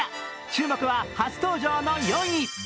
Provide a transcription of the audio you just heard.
注目は初登場の４位。